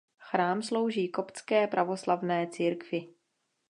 Chrám slouží koptské pravoslavné církvi.